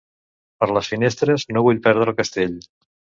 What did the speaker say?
Per les finestres no vull perdre el castell.